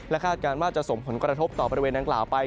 และค่าการว่าจะส่มผลการรทบต่อประเทศหนังกล่าวไป